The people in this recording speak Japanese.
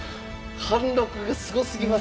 貫禄がすごすぎますね。